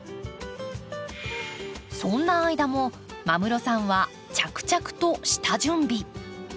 そんな間も間室さんは着々と下準備。